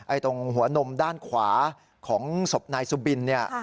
ตรงหัวนมด้านขวาของศพนายสุบินเนี่ย